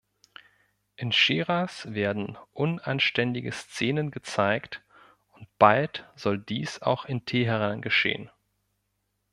In Schiras werden unanständige Szenen gezeigt, und bald soll dies auch in Teheran geschehen.